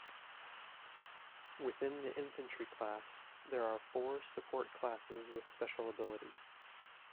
Within the infantry class, there are four support classes with special abilities.